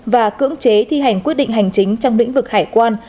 và cưỡng chế thi hành quyết định hành chính trong lĩnh vực hải quan